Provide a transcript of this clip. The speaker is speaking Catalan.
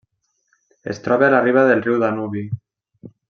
Es troba a la riba del riu Danubi.